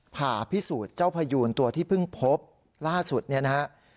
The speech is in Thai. ผ่าพิสูจน์เจ้าพยูนตัวที่เพิ่งพบล่าสุดเนี่ยนะฮะ